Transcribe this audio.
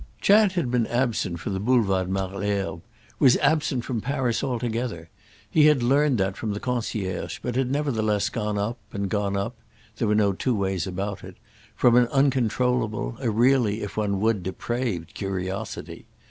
Chad had been absent from the Boulevard Malesherbes—was absent from Paris altogether; he had learned that from the concierge, but had nevertheless gone up, and gone up—there were no two ways about it—from an uncontrollable, a really, if one would, depraved curiosity.